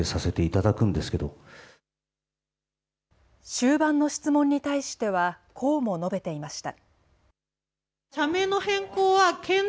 終盤の質問に対しては、こうも述べていました。